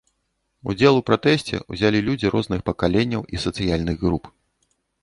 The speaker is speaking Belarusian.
Удзел у пратэсце ўзялі людзі розных пакаленняў і сацыяльных груп.